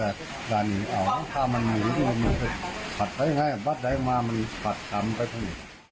รังคามันหยุดปุดปัดไปง่ายมามันผัดตามไปค่อย